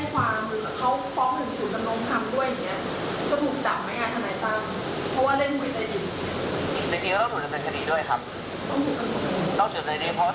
ก็ถูกจับไหมอาธารณะตั้งเพราะว่าเล่นวิทยาลัยดิน